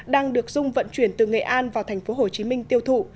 đang được dung vận chuyển từ nghệ an vào tp hcm tiêu thụ